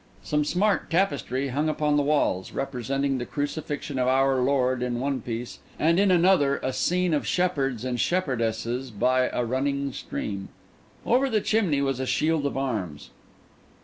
Some smart tapestry hung upon the walls, representing the crucifixion of our Lord in one piece, and in another a scene of shepherds and shepherdesses by a running stream. Over the chimney was a shield of arms.